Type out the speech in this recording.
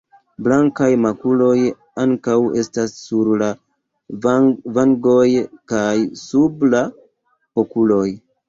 Blankaj makuloj ankaŭ estas sur la vangoj kaj sub la okuloj.